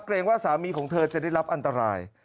ว่าสามีของเธอจะได้รับอันตราย